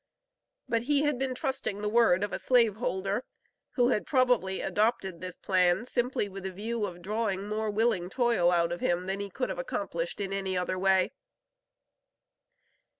But he had been trusting the word of a slave holder, who had probably adopted this plan simply with a view of drawing more willing toil out of him than he could have accomplished in any other way.